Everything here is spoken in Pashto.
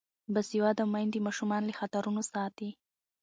باسواده میندې ماشومان له خطرونو ساتي.